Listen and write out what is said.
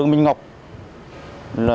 còn bị đối tượng yêu cầu là